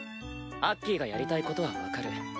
アッキーがやりたいことはわかる。